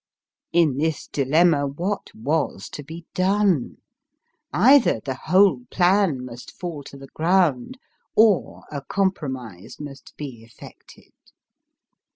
In this dilemma what was to be done ? either the whole plan must fall to the ground, or a compromise must be effected.